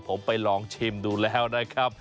ผมไปลองชิมดูแล้วนะครับ